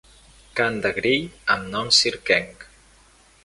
Cant de grill amb nom circenc.